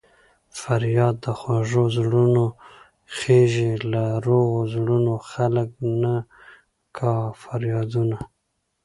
فریاد د خوږو زړونو خېژي له روغو زړونو خلک نه کا فریادونه